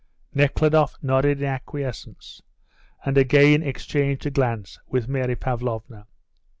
Nekhludoff nodded in acquiescence, and again exchanged a glance with Mary Pavlovna.